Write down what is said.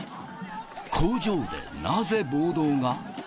工場でなぜ、暴動が。